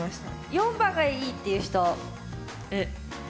４番がいいっていう人。